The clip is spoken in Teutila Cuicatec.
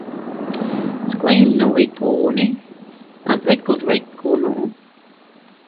Skuinnu iyukune adbiku dbikunoo.